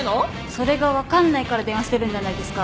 それが分かんないから電話してるんじゃないですか。